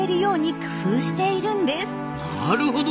なるほど。